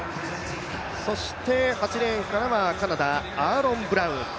８レーンからはカナダ、アーロン・ブラウン。